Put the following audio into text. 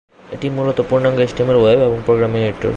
এটি মূলত পূর্ণাঙ্গ এইচটিএমএল ওয়েব এবং প্রোগ্রামিং এডিটর।